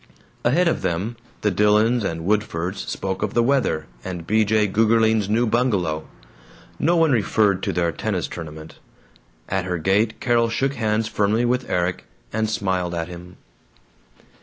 Ahead of them, the Dillons and Woodfords spoke of the weather and B. J. Gougerling's new bungalow. No one referred to their tennis tournament. At her gate Carol shook hands firmly with Erik and smiled at him.